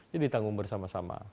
jadi ditanggung bersama sama